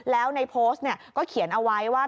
แล้วในโพสต์ก็เขียนเอาไว้ว่า